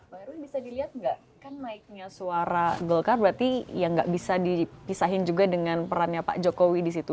pak erwin bisa dilihat gak kan mic nya suara golkar berarti ya gak bisa dipisahin juga dengan program itu